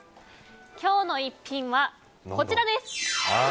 今日の逸品はこちらです。